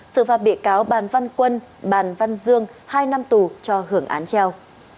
xử phạt bị cáo bàn văn quân bàn văn dương hai năm tù cho hưởng án treo